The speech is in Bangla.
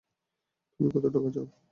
তুমি কত টাকা চাও?